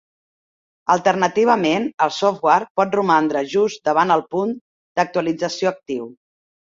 Alternativament, el software pot romandre just davant el punt d'actualització actiu.